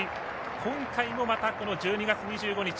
今回もまた１２月２５日。